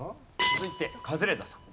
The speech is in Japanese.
続いてカズレーザーさん。